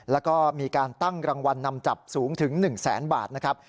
แล้วก็มีการตั้งรางวัลนำจับสูงถึง๑แสนบาทนะครับ